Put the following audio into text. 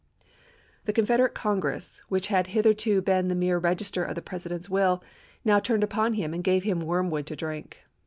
The Confederate Congress, which had hitherto been the mere register of the President's will, now turned upon him and gave him wormwood to drink.